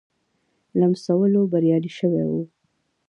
لمسولو بریالی شوی وو.